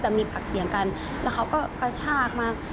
แต่มีปากเสียงกันแล้วเขาก็กระชากมา